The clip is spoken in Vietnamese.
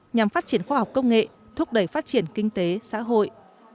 nhằm phát triển khoa học công nghệ thúc đẩy phát triển kinh tế xã hội